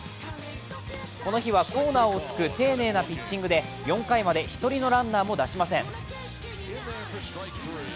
この日はコーナーをつく丁寧なピッチングで４回まで１人のランナーも出しません。